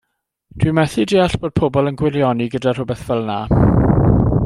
Dw i methu deall bod pobol yn gwirioni gyda rhywbeth fel 'na.